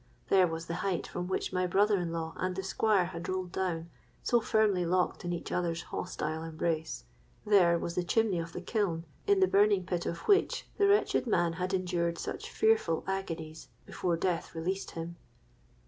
There was the height from which my brother in law and the Squire had rolled down, so firmly locked in each other's hostile embrace: there was the chimney of the kiln, in the burning pit of which the wretched man had endured such fearful agonies before death released him!